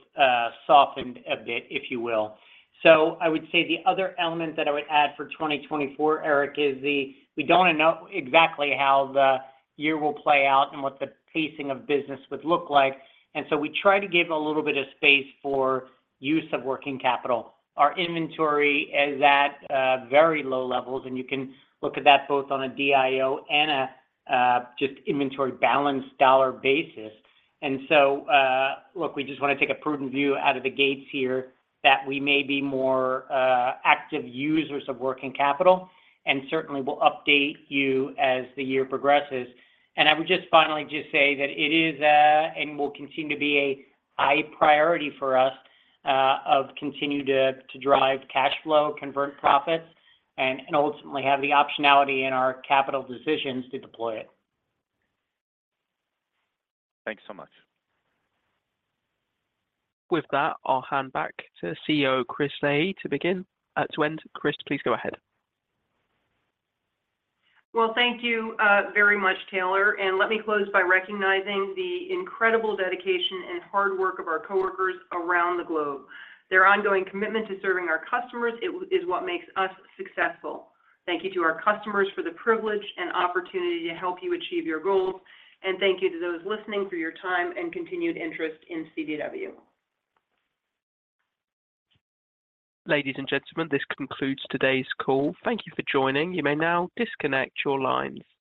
softened a bit, if you will. So I would say the other element that I would add for 2024, Erik, is we don't know exactly how the year will play out and what the pacing of business would look like, and so we try to give a little bit of space for use of working capital. Our inventory is at very low levels, and you can look at that both on a DIO and a just inventory balance dollar basis. So look, we just wanna take a prudent view out of the gates here, that we may be more active users of working capital, and certainly we'll update you as the year progresses. I would just finally just say that it is a, and will continue to be a high priority for us to continue to drive cash flow, convert profits, and ultimately have the optionality in our capital decisions to deploy it. Thanks so much. With that, I'll hand back to CEO Chris Leahy to begin, to end. Chris, please go ahead. Well, thank you very much, Taylor, and let me close by recognizing the incredible dedication and hard work of our coworkers around the globe. Their ongoing commitment to serving our customers is what makes us successful. Thank you to our customers for the privilege and opportunity to help you achieve your goals, and thank you to those listening for your time and continued interest in CDW. Ladies and gentlemen, this concludes today's call. Thank you for joining. You may now disconnect your lines.